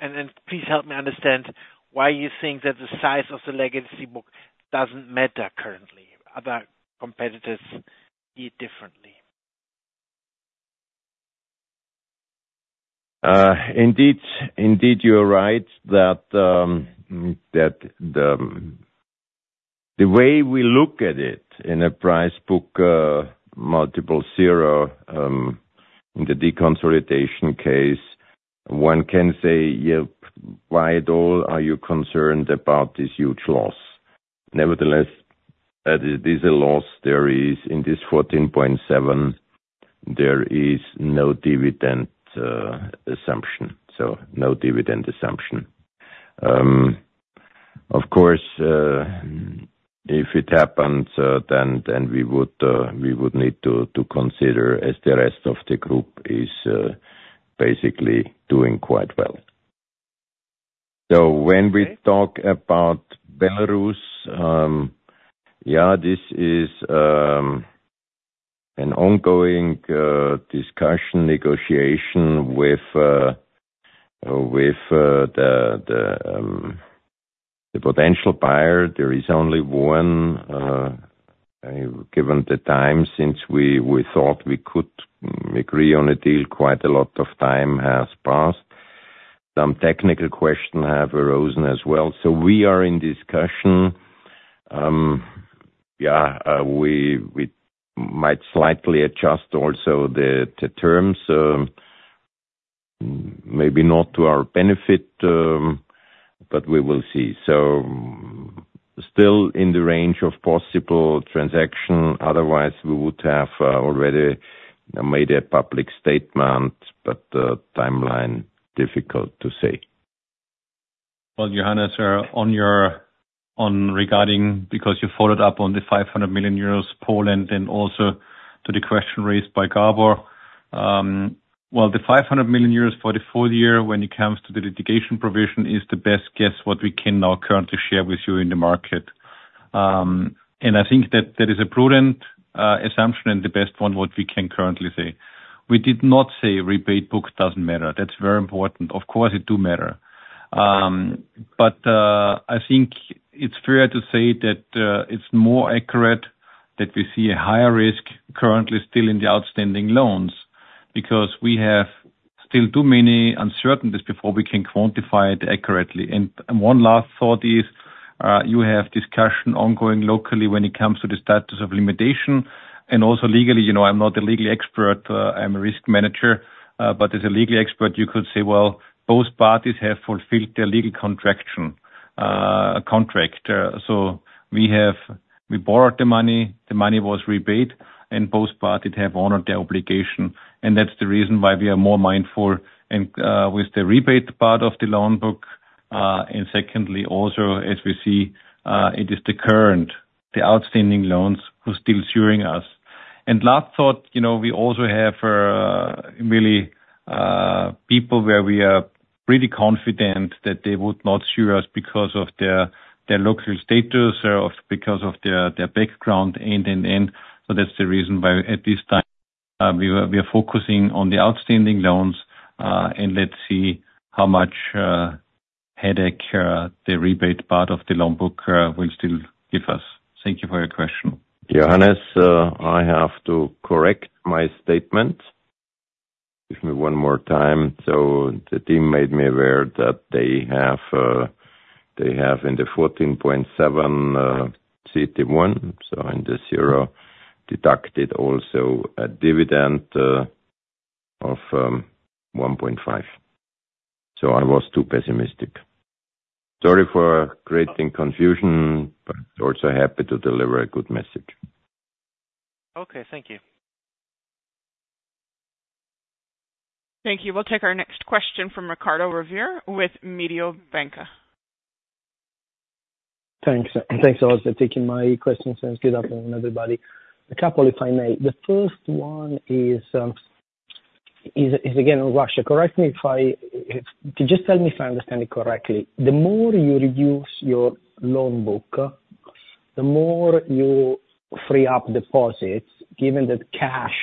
then please help me understand why you think that the size of the legacy book doesn't matter currently. Other competitors see it differently. Indeed, indeed, you're right that the way we look at it in a price book multiple zero in the deconsolidation case, one can say, "Yep, why at all are you concerned about this huge loss?" Nevertheless, there's a loss there is in this 14.7, there is no dividend assumption, so no dividend assumption. Of course, if it happens, then we would need to consider as the rest of the group is basically doing quite well. So when we talk about Belarus, yeah, this is an ongoing discussion, negotiation with the potential buyer. There is only one given the time since we thought we could agree on a deal, quite a lot of time has passed. Some technical questions have arisen as well, so we are in discussion. Yeah, we might slightly adjust also the terms, maybe not to our benefit, but we will see. So still in the range of possible transaction, otherwise we would have already made a public statement, but the timeline, difficult to say. Well, Johannes, on regarding, because you followed up on the 500 million euros Poland, and also to the question raised by Gábor. Well, the 500 million euros for the full year, when it comes to the litigation provision, is the best guess what we can now currently share with you in the market. And I think that that is a prudent assumption and the best one what we can currently say. We did not say repaid book doesn't matter. That's very important. Of course, it do matter. But, I think it's fair to say that, it's more accurate that we see a higher risk currently still in the outstanding loans, because we have still too many uncertainties before we can quantify it accurately. And one last thought is, you have discussion ongoing locally when it comes to the statute of limitations and also legally, you know, I'm not a legal expert, I'm a risk manager, but as a legal expert, you could say, well, both parties have fulfilled their legal contraction, contract. So we have... We borrowed the money, the money was repaid, and both parties have honored their obligation, and that's the reason why we are more mindful and, with the repaid part of the loan book. And secondly, also, as we see, it is the current, the outstanding loans who are still suing us. Last thought, you know, we also have really people where we are pretty confident that they would not sue us because of their local status or because of their background, and so that's the reason why, at this time, we are focusing on the outstanding loans, and let's see how much headache the repaid part of the loan book will still give us. Thank you for your question. Johannes, I have to correct my statement. Give me one more time. So the team made me aware that they have, they have in the 14.7 CET1, so in the zero, deducted also a dividend, of, 1.5. So I was too pessimistic. Sorry for creating confusion, but also happy to deliver a good message. Okay, thank you. Thank you. We'll take our next question from Riccardo Rovere with Mediobanca. Thanks. Thanks also for taking my questions, and good afternoon, everybody. A couple, if I may. The first one is, is again, on Russia. Correct me if I... Just tell me if I understand it correctly. The more you reduce your loan book, the more you free up deposits, given that cash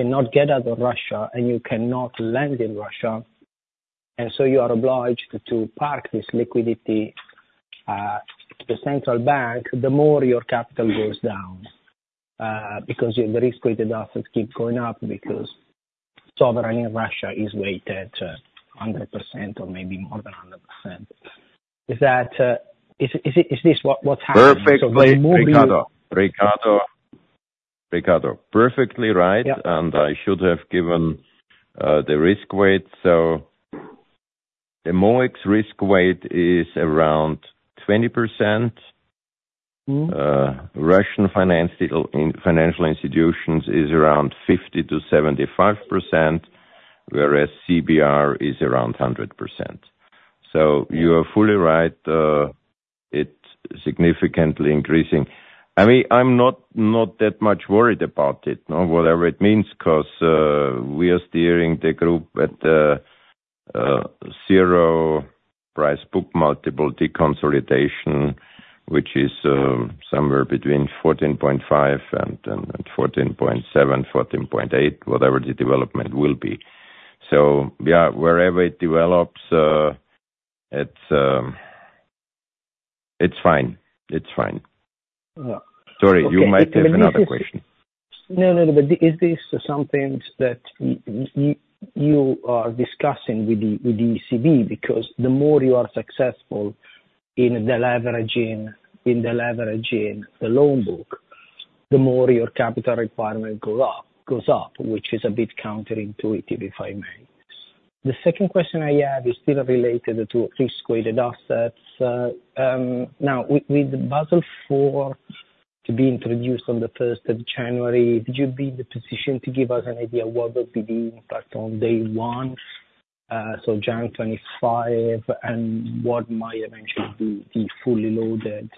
cannot get out of Russia and you cannot lend in Russia, and so you are obliged to park this liquidity to the central bank, the more your capital goes down, because the risk-weighted assets keep going up, because sovereign in Russia is weighted 100% or maybe more than 100%. Is that, is it, is this what, what's happening? Perfectly, Riccardo. Riccardo, Riccardo, perfectly right. Yeah. I should have given the risk weight. So the MOEX risk weight is around 20%. Mm. Russian financial institutions is around 50%-75%, whereas CBR is around 100%. So you are fully right, it's significantly increasing. I mean, I'm not, not that much worried about it, or whatever it means, 'cause we are steering the group at the zero price book multiple deconsolidation, which is somewhere between 14.5 and 14.7, 14.8, whatever the development will be. So yeah, wherever it develops, it's fine. It's fine. Yeah. Sorry, you might have another question. No, no, but is this something that you are discussing with the ECB? Because the more you are successful in the leveraging, in the leveraging the loan book, the more your capital requirement go up, goes up, which is a bit counterintuitive, if I may. The second question I have is still related to risk-weighted assets. Now, with the Basel IV to be introduced on the first of January, would you be in the position to give us an idea what would be the impact on day one, so January 2025, and what might eventually be the fully loaded,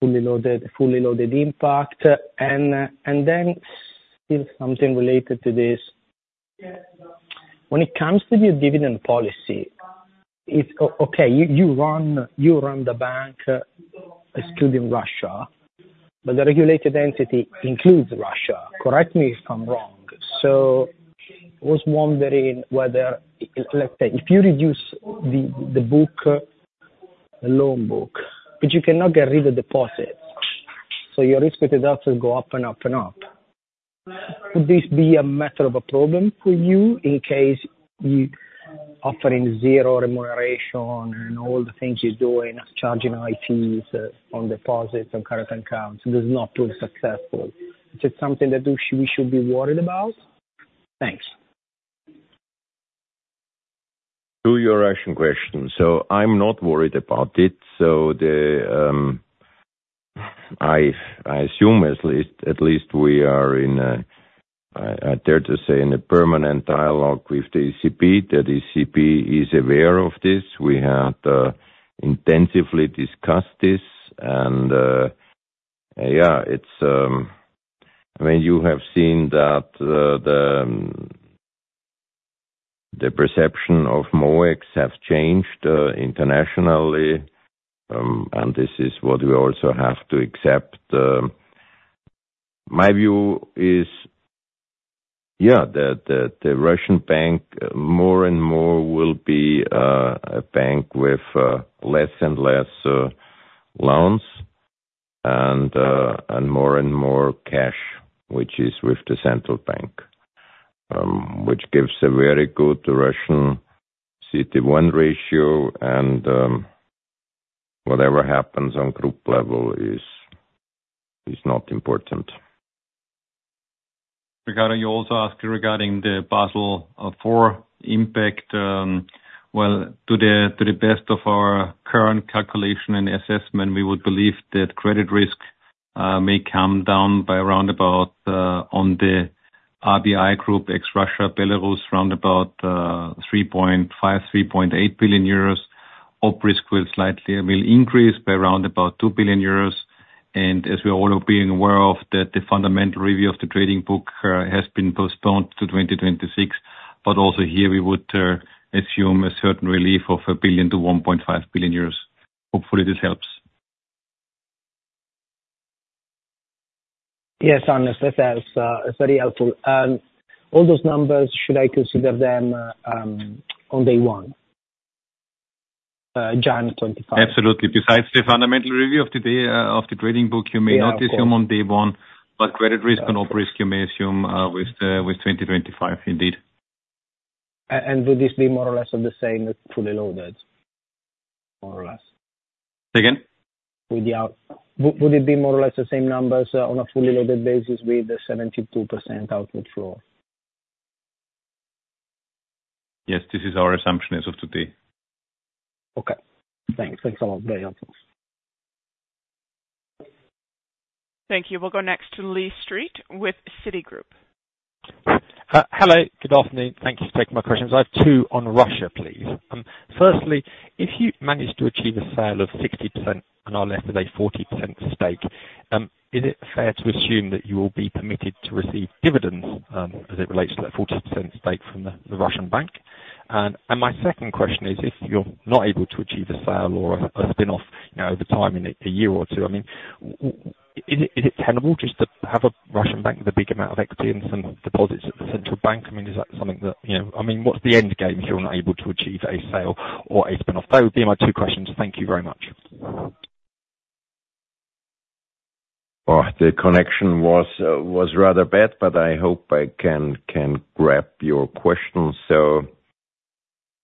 fully loaded, fully loaded impact? And then still something related to this. When it comes to your dividend policy, it's okay, you run, you run the bank excluding Russia, but the regulated entity includes Russia. Correct me if I'm wrong. So I was wondering whether, let's say, if you reduce the loan book, but you cannot get rid of deposits, so your risk with deposits go up and up and up. Would this be a matter of a problem for you in case you offering zero remuneration and all the things you're doing, charging high fees on deposits and current accounts, is not too successful? Is it something that we should be worried about? Thanks. To your Russian question. So I'm not worried about it. So I assume at least, at least we are in a, I dare to say, in a permanent dialogue with the ECB. The ECB is aware of this. We have intensively discussed this, and yeah, it's... I mean, you have seen that the perception of MOEX has changed internationally, and this is what we also have to accept. My view is, yeah, the Russian bank more and more will be a bank with less and less loans, and more and more cash, which is with the central bank. Which gives a very good Russian CET1 ratio, and whatever happens on group level is not important. Riccardo, you also asked regarding the Basel IV impact. Well, to the, to the best of our current calculation and assessment, we would believe that credit risk may come down by around about on the RBI group, ex Russia, Belarus, round about 3.5 billion-3.8 billion euros. OP risk will slightly, will increase by around about 2 billion euros, and as we're all being aware of, that the Fundamental Review of the Trading Book has been postponed to 2026. But also here we would assume a certain relief of 1 billion-1.5 billion euros. Hopefully this helps. Yes, Hannes, that helps, it's very helpful. All those numbers, should I consider them on day one, January 25? Absolutely. Besides the Fundamental Review of the Trading Book, you may not assume on day one- Yeah, of course. But credit risk and OP risk, you may assume with 2025, indeed. Would this be more or less of the same as fully loaded, more or less? Say again? Would it be more or less the same numbers on a fully loaded basis with the 72% output floor? Yes, this is our assumption as of today. Okay. Thanks. Thanks a lot. Very helpful. Thank you. We'll go next to Lee Street with Citigroup. Hello, good afternoon. Thank you for taking my questions. I have two on Russia, please. Firstly, if you manage to achieve a sale of 60% and are left with a 40% stake, is it fair to assume that you will be permitted to receive dividends, as it relates to that 40% stake from the Russian bank? And my second question is, if you're not able to achieve a sale or a spin-off, you know, over time, in a year or two, I mean, is it tenable just to have a Russian bank with a big amount of equity and some deposits at the central bank? I mean, is that something that, you know... I mean, what's the end game if you're not able to achieve a sale or a spin-off? Those would be my two questions. Thank you very much. Oh, the connection was rather bad, but I hope I can grab your question. So,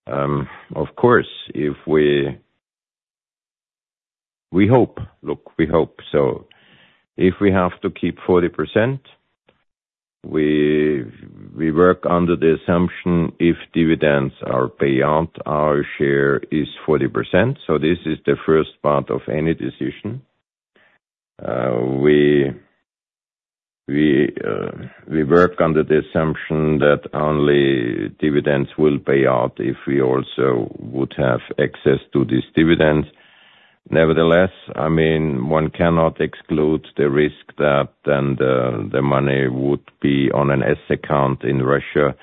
of course, if we hope. Look, we hope so. If we have to keep 40%, we work under the assumption if dividends are paid out, our share is 40%, so this is the first part of any decision. We work under the assumption that only dividends will pay out if we also would have access to these dividends. Nevertheless, I mean, one cannot exclude the risk that then the money would be on an C account in Russia,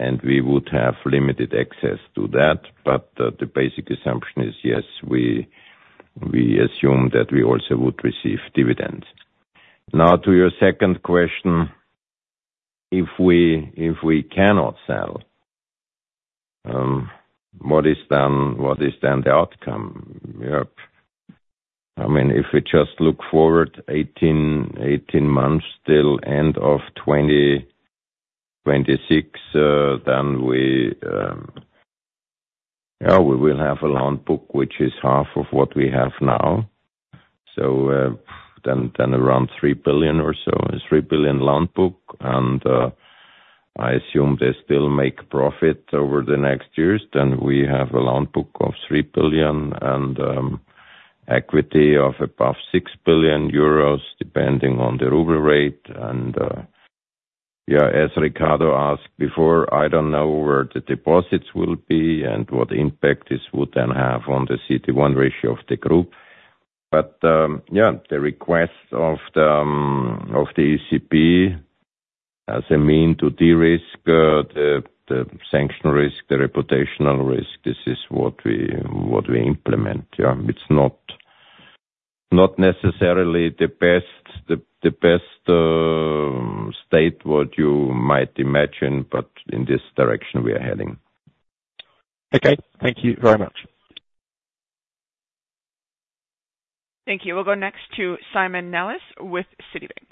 and we would have limited access to that. But, the basic assumption is, yes, we assume that we also would receive dividends. Now, to your second question, if we cannot sell, what is then the outcome? Yep. I mean, if we just look forward 18 months till end of 2026, then we, yeah, we will have a loan book, which is half of what we have now. So, then around 3 billion or so, a 3 billion loan book, and I assume they still make profit over the next years, then we have a loan book of 3 billion and, equity of above 6 billion euros, depending on the ruble rate. And, yeah, as Riccardo asked before, I don't know where the deposits will be and what impact this would then have on the CET1 ratio of the group. But, yeah, the request of the ECB as a means to de-risk the sanction risk, the reputational risk, this is what we implement, yeah. It's not necessarily the best state what you might imagine, but in this direction we are heading. Okay, thank you very much. Thank you. We'll go next to Simon Nellis with Citigroup.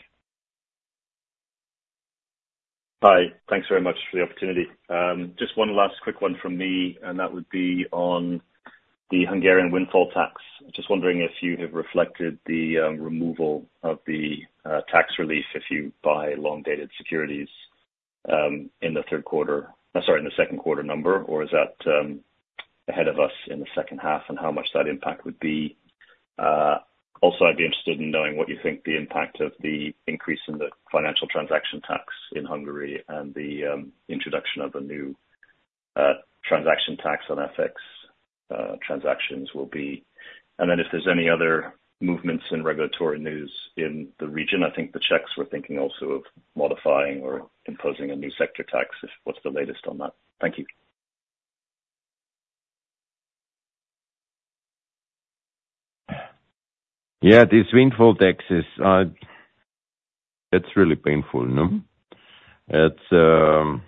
Hi, thanks very much for the opportunity. Just one last quick one from me, and that would be on the Hungarian windfall tax. Just wondering if you have reflected the removal of the tax relief if you buy long-dated securities in the Q3, sorry, in the Q2 number, or is that ahead of us in the second half, and how much that impact would be? Also, I'd be interested in knowing what you think the impact of the increase in the financial transaction tax in Hungary and the introduction of a new transaction tax on FX transactions will be. And then if there's any other movements in regulatory news in the region, I think the Czechs were thinking also of modifying or imposing a new sector tax. What's the latest on that? Thank you. Yeah, these windfall taxes, it's really painful, no? It's,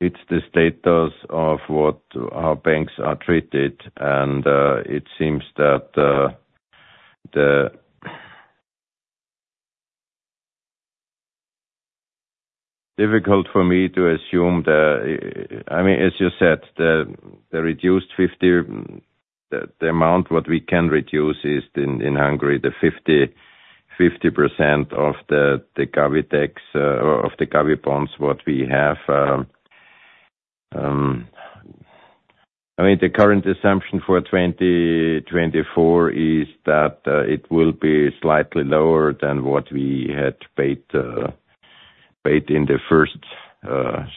it's the status of what our banks are treated, and, it seems that, the... Difficult for me to assume the, I mean, as you said, the, the reduced 50, the, the amount what we can reduce is in, in Hungary, the 50/50% of the, the government tax, of the government bonds, what we have. I mean, the current assumption for 2024 is that, it will be slightly lower than what we had paid, paid in the first,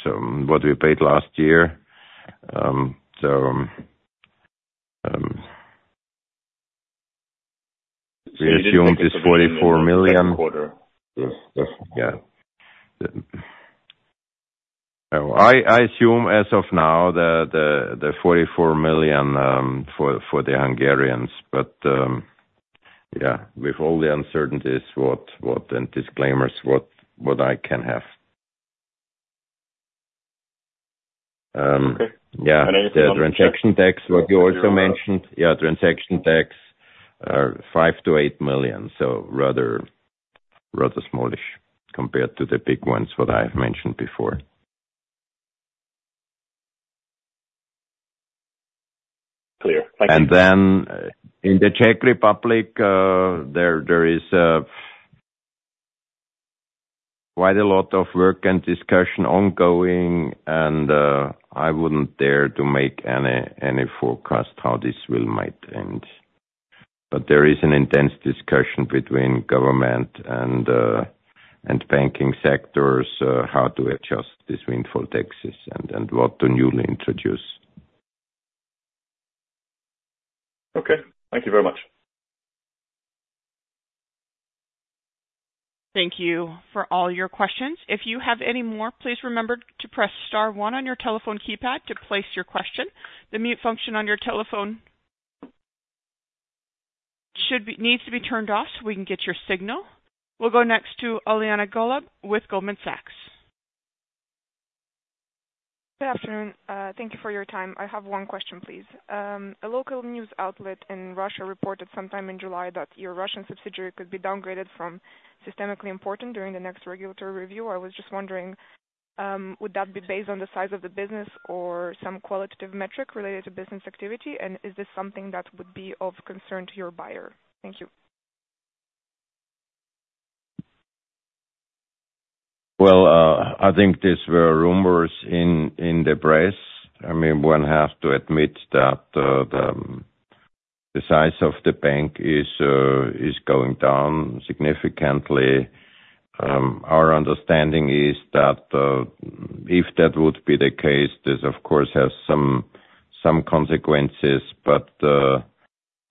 so what we paid last year. So, we assume it's 44 million. Q2. Yes. Yes. Yeah. I assume as of now, the 44 million for the Hungarians. But yeah, with all the uncertainties, what and disclaimers, what I can have. Okay. Yeah, the transaction tax, what you also mentioned. Yeah, transaction tax are 5 million-8 million, so rather, rather smallish compared to the big ones, what I've mentioned before. Clear. Thank you. And then in the Czech Republic, there is quite a lot of work and discussion ongoing, and I wouldn't dare to make any forecast how this will might end. But there is an intense discussion between government and banking sectors, how to adjust these windfall taxes and what to newly introduce. Okay, thank you very much. Thank you for all your questions. If you have any more, please remember to press star one on your telephone keypad to place your question. The mute function on your telephone should be, needs to be turned off so we can get your signal. We'll go next to Iuliana Golub with Goldman Sachs. Good afternoon. Thank you for your time. I have one question, please. A local news outlet in Russia reported sometime in July that your Russian subsidiary could be downgraded from systemically important during the next regulatory review. I was just wondering, would that be based on the size of the business or some qualitative metric related to business activity? And is this something that would be of concern to your buyer? Thank you. Well, I think these were rumors in the press. I mean, one has to admit that the size of the bank is going down significantly. Our understanding is that if that would be the case, this, of course, has some consequences, but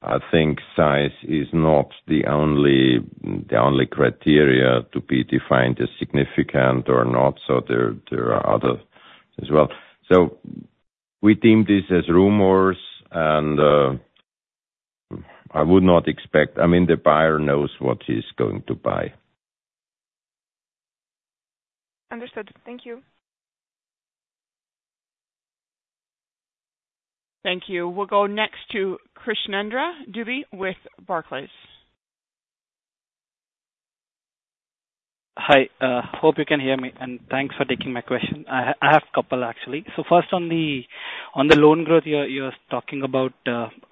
I think size is not the only criteria to be defined as significant or not, so there are other as well. So we deem this as rumors, and I would not expect, I mean, the buyer knows what he's going to buy. Understood. Thank you. Thank you. We'll go next to Krishnendra Dubey with Barclays. Hi, hope you can hear me, and thanks for taking my question. I have a couple, actually. So first on the loan growth, you're talking about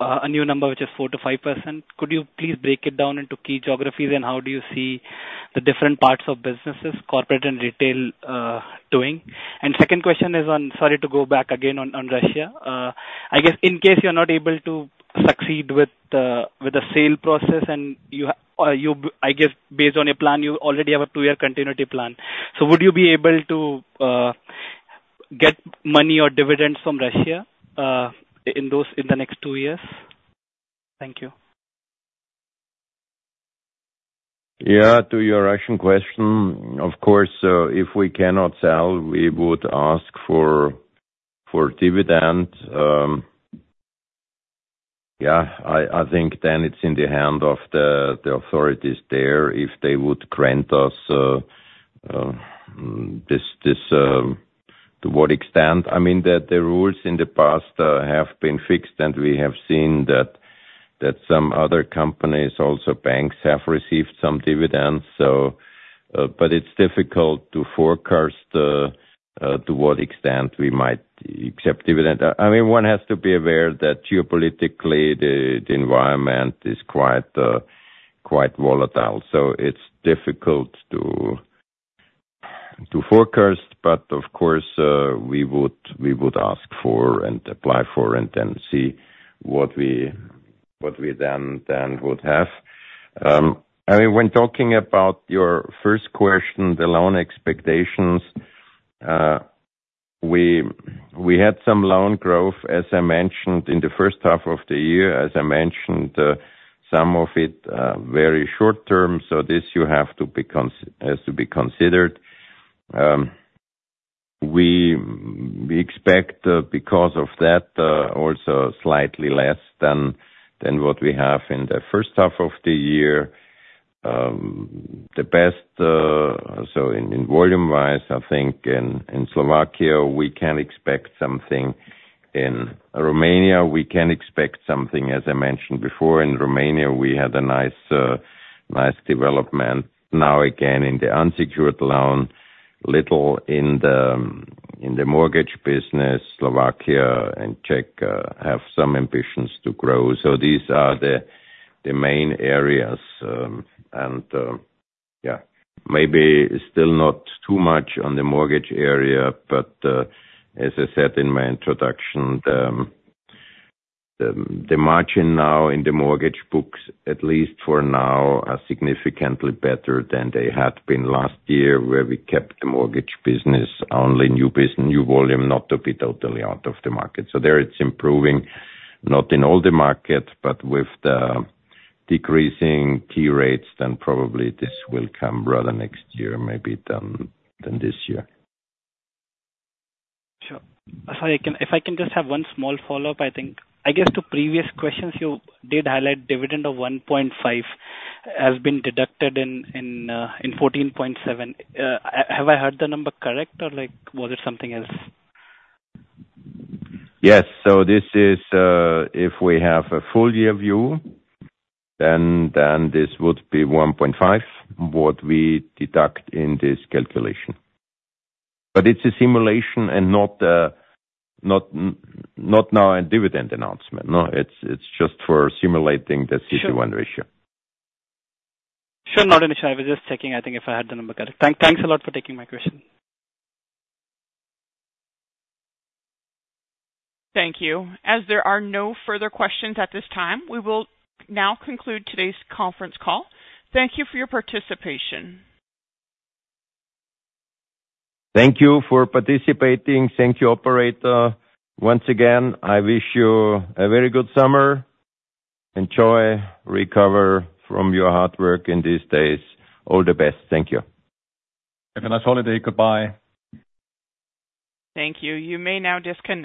a new number, which is 4%-5%. Could you please break it down into key geographies, and how do you see the different parts of businesses, corporate and retail, doing? Second question is on sorry to go back again on Russia. I guess in case you're not able to succeed with the sale process, and you I guess, based on your plan, you already have a two-year continuity plan. So would you be able to get money or dividends from Russia in the next two years? Thank you. Yeah, to your Russian question, of course, if we cannot sell, we would ask for dividend. Yeah, I think then it's in the hand of the authorities there if they would grant us this to what extent? I mean, the rules in the past have been fixed, and we have seen that some other companies, also banks, have received some dividends. So, but it's difficult to forecast to what extent we might accept dividend. I mean, one has to be aware that geopolitically, the environment is quite volatile. So it's difficult to forecast, but of course, we would ask for and apply for, and then see what we then would have. I mean, when talking about your first question, the loan expectations, we had some loan growth, as I mentioned, in the first half of the year. As I mentioned, some of it very short term, so this has to be considered. We expect, because of that, also slightly less than what we have in the first half of the year. The best, so in volume-wise, I think in Slovakia, we can expect something. In Romania, we can expect something. As I mentioned before, in Romania, we had a nice nice development. Now, again, in the unsecured loan, little in the mortgage business, Slovakia and Czech have some ambitions to grow. So these are the main areas. Yeah, maybe still not too much on the mortgage area, but as I said in my introduction, the margin now in the mortgage books, at least for now, are significantly better than they had been last year, where we kept the mortgage business, only new business, new volume, not to be totally out of the market. So there, it's improving, not in all the markets, but with the decreasing key rates, then probably this will come rather next year, maybe, than this year. Sure. Sorry, if I can just have one small follow-up, I think. I guess, to previous questions, you did highlight dividend of 1.5 has been deducted in 14.7. Have I heard the number correct, or like, was it something else? Yes. So this is, if we have a full year view, then, then this would be 1.5, what we deduct in this calculation. But it's a simulation and not, not now a dividend announcement. No, it's, it's just for simulating the CET1 ratio. Sure. Not an issue. I was just checking, I think, if I had the number correct. Thank, thanks a lot for taking my question. Thank you. As there are no further questions at this time, we will now conclude today's conference call. Thank you for your participation. Thank you for participating. Thank you, operator. Once again, I wish you a very good summer. Enjoy, recover from your hard work in these days. All the best. Thank you. Have a nice holiday. Goodbye. Thank you. You may now disconnect.